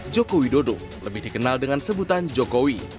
jokowi dodo lebih dikenal dengan sebutan jokowi